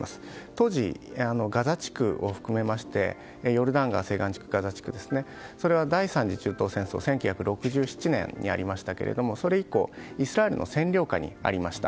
当時、ガザ地区を含めましてヨルダン川西岸地区のガザ地区は第３次中東戦争というのが１９６７年にありましたけれどもそれ以降イスラエルの占領下にありました。